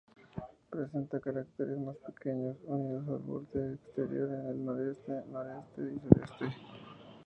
Presenta cráteres más pequeños unidos al borde exterior en el noroeste, noreste, y sureste.